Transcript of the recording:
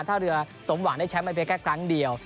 ถ้าเรือสมหวังได้แชมป์ไปเพียงแค่ครั้งเดียว